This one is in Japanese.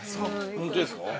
◆本当ですか。